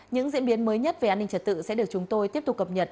những diễn biến mới nhất về an ninh trật tự sẽ được chúng tôi tiếp tục cập nhật